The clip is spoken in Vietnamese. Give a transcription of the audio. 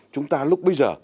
chúng ta lúc bây giờ